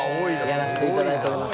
やらせていただいてます。